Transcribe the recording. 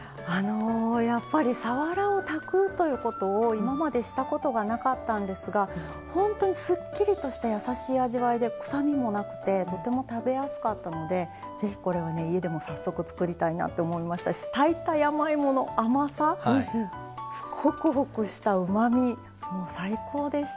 やっぱりさわらを炊くということを今までしたことがなかったんですが本当にすっきりとしたやさしい味わいで臭みもなくてとても食べやすかったのでぜひこれはね家でも早速作りたいなと思いましたし炊いた山芋の甘さホクホクしたうまみもう最高でしたね。